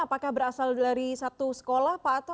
apakah berasal dari satu sekolah pak ato